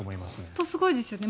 本当にすごいですよね。